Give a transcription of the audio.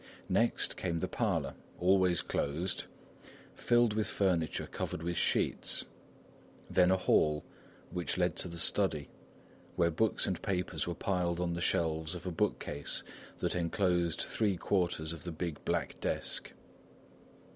Next, came the parlour (always closed), filled with furniture covered with sheets. Then a hall, which led to the study, where books and papers were piled on the shelves of a book case that enclosed three quarters of the big black desk.